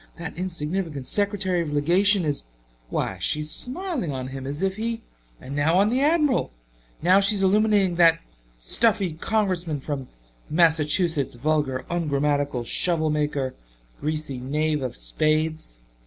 That insignificant secretary of legation is why, she's smiling on him as if he and now on the Admiral! Now she's illuminating that stuffy Congressman from Massachusetts vulgar ungrammatcal shovel maker greasy knave of spades.